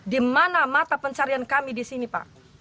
di mana mata pencarian kami di sini pak